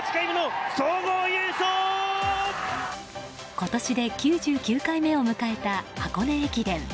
今年で９９回目を迎えた箱根駅伝。